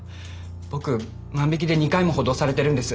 僕万引きで２回も補導されてるんです。